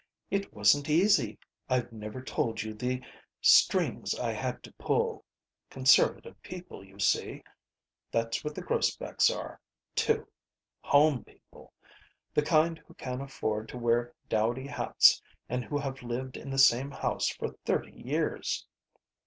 It wasn't easy. I've never told you the strings I had to pull. Conservative people, you see. That's what the Grosbecks are, too. Home people. The kind who can afford to wear dowdy hats and who have lived in the same house for thirty years."